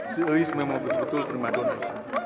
segera memang betul betul permadunan